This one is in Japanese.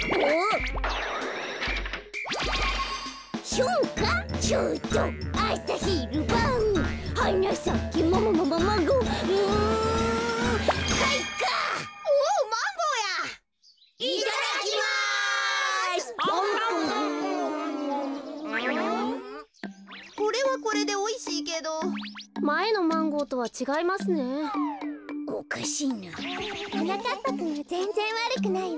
おかしいな。はなかっぱくんはぜんぜんわるくないわ。